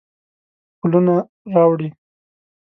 ښکلونه راوړي